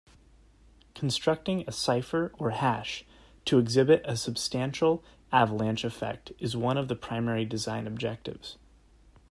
Constructing a cipher or hash to exhibit a substantial avalanche effect is one of its primary design objectives.